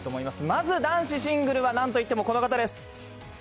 まず、男子シングルは、なんといってもこの方です。